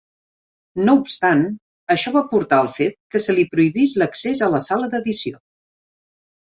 No obstant, això va portar al fet que se li prohibís l'accés a la sala d'edició.